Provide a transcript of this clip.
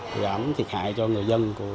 gặm thiệt hại cho người dân của xã